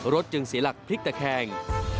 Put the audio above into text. จึงเสียหลักพลิกตะแคง